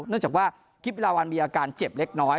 เนื่องจากว่าคลิปวิลาวันมีอาการเจ็บเล็กน้อย